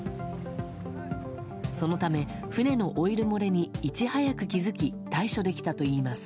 そのため、船のオイル漏れにいち早く気づき対処できたといいます。